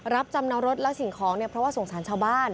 จำนองรถและสิ่งของเนี่ยเพราะว่าสงสารชาวบ้าน